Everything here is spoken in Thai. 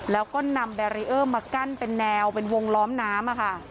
แล้วก็นำแบรีเออร์มากั้นเป็นแนวเป็นวงล้อมน้ำค่ะ